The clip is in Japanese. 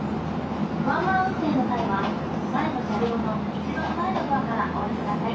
ワンマン運転の際は前の車両の一番前のドアからお降り下さい。